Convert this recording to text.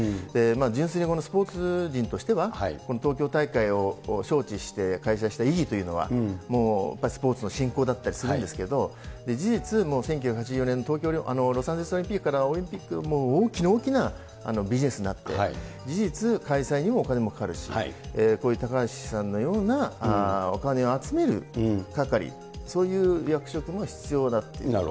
純粋にスポーツ人としては、この東京大会を招致して開催した意義というのは、もうやっぱりスポーツの振興だったりするんですけれども、事実、もう１９８４年のロサンゼルスオリンピックからオリンピックは大きな大きなビジネスになって、事実、開催にもお金もかかるし、こういう高橋さんのようなお金を集める係、そういう役職も必要だって。